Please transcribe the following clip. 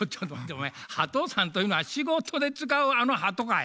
お前ハトさんというのは仕事で使うあのハトかい？